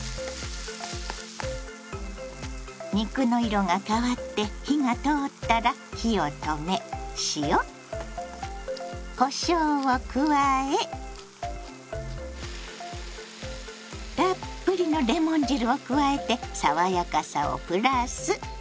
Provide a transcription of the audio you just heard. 肉の色が変わって火が通ったら火を止め塩こしょうを加えたっぷりのレモン汁を加えて爽やかさをプラス。